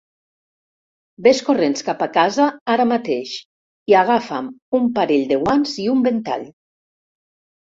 Ves corrents cap a casa ara mateix i agafa'm un parell de guants i un ventall!